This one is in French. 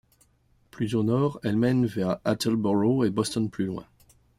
Plus au nord, elle mène vers Attleboro, et Boston plus loin.